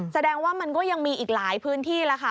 แสดงว่ามันก็ยังมีอีกหลายพื้นที่แล้วค่ะ